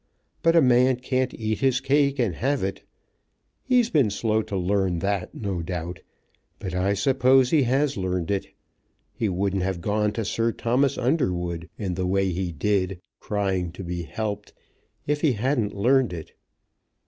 But a man can't eat his cake and have it. He has been slow to learn that, no doubt; but I suppose he has learned it. He wouldn't have gone to Sir Thomas Underwood, in the way he did, crying to be helped, if he hadn't learned it.